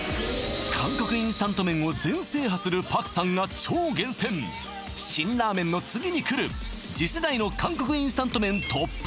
韓国インスタント麺を全制覇するパクさんが超厳選辛ラーメンの次にくる次世代の韓国インスタント麺ＴＯＰ